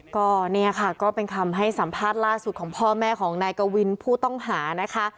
ก็เนี่ยค่ะก็เป็นคำให้สัมภาษณ์ล่าสุดของพ่อแม่ของนายกวินผู้ต้องหานะคะ